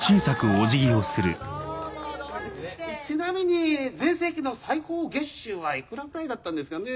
ちなみに全盛期の最高月収はいくらぐらいだったんですかね？